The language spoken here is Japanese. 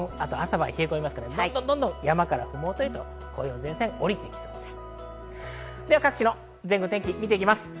朝晩は冷え込みますから、どんどん山から麓へと紅葉前線おりてきそうです。